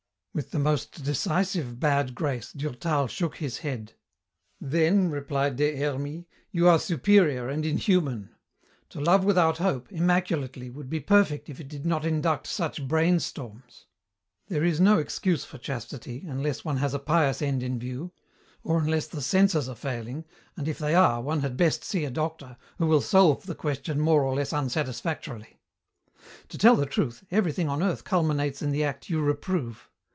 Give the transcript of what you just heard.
With the most decisive bad grace Durtal shook his head. "Then," replied Des Hermies, "you are superior and inhuman. To love without hope, immaculately, would be perfect if it did not induct such brainstorms. There is no excuse for chastity, unless one has a pious end in view, or unless the senses are failing, and if they are one had best see a doctor, who will solve the question more or less unsatisfactorily. To tell the truth, everything on earth culminates in the act you reprove.